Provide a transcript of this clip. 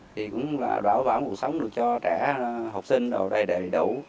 thì cũng là đảm bảo cuộc sống được cho trẻ học sinh ở đây đầy đủ